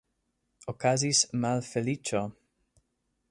Okazis malfeliĉo!